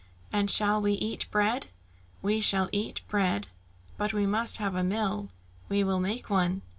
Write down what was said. "And shall we eat bread?" "We shall eat bread." "But we must have a mill." "We will make one."